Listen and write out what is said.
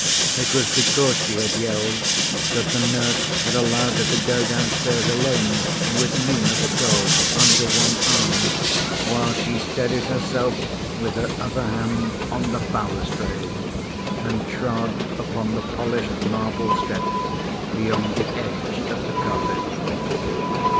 It was because she had yelled that the nurse had allowed her to go downstairs alone with Nina, the doll, under one arm, while she steadied herself with her other hand on the balustrade, and trod upon the polished marble steps beyond the edge of the carpet.